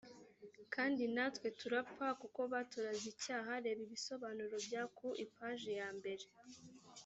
kandi natwe turapfa kuko baturaze icyaha reba ibisobanuro bya ku ipaji ya mbere